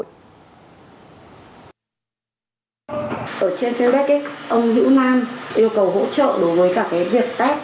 ở trên facebook ông vũ mang yêu cầu hỗ trợ đối với cả việc